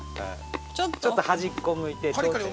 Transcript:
◆ちょっと端っこむいて、頂点。